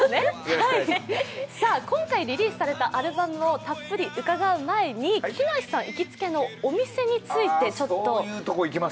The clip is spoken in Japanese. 今回リリースされたアルバムをたっぷり伺う前に、木梨さん行きつけのお店についてちょっと。